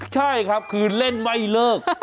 ใช่ครับคือเล่นไม่เลิก